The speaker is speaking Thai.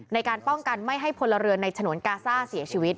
ในการป้องกันไม่ให้พลเรือนในฉนวนกาซ่าเสียชีวิต